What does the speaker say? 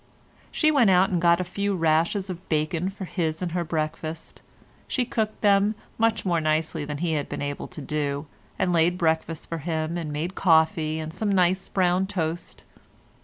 She went out and got a few rashers of bacon for his and her breakfast. She cooked them much more nicely than he had been able to do, and laid breakfast for him and made coffee, and some nice brown toast.